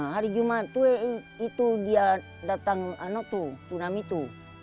hari jumat itu dia datang tsunami itu